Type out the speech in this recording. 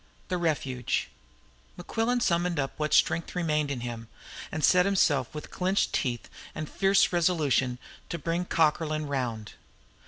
The Refugee Mequillen summoned up what strength remained in him, and set himself with clenched teeth and fierce resolution to bring Cockerlyne round.